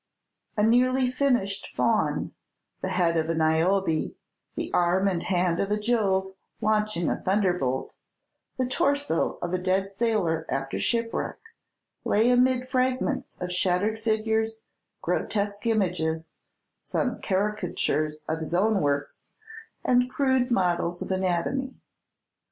A nearly finished Faun, the head of a Niobe, the arm and hand of a Jove launching a thunderbolt, the torso of a dead sailor after shipwreck, lay amid fragments of shattered figures, grotesque images, some caricatures of his own works, and crude models of anatomy.